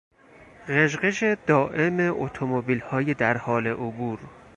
غژ غژ دایم اتومبیلهای درحال عبور